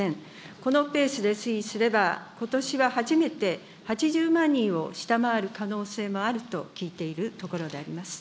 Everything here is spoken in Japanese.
このペースで推移すれば、ことしは初めて８０万人を下回る可能性もあると聞いているところであります。